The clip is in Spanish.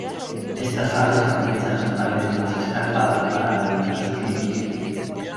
Estas aves aprovechan las paredes más escarpadas para realizar sus nidos.